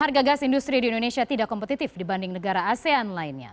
harga gas industri di indonesia tidak kompetitif dibanding negara asean lainnya